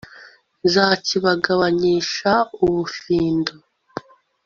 nzakibagabanyisha ubufindo